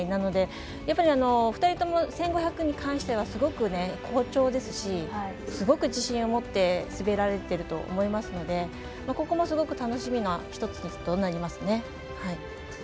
２人とも１５００に関してはすごく好調ですしすごく自信を持って滑られてると思いますのでここもすごく楽しみな１つとなりますね。